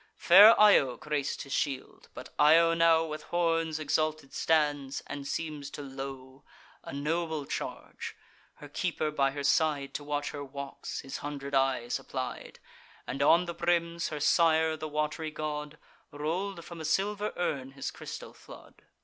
Fair Io grac'd his shield; but Io now With horns exalted stands, and seems to low— A noble charge! Her keeper by her side, To watch her walks, his hundred eyes applied; And on the brims her sire, the wat'ry god, Roll'd from a silver urn his crystal flood.